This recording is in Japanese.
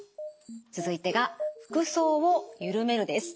続いてが服装をゆるめるです。